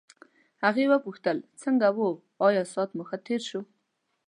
هغې وپوښتل څنګه وو آیا ساعت مو ښه تېر شو.